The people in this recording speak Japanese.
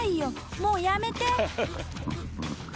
もうやめて！